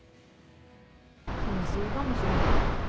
気にし過ぎかもしれない。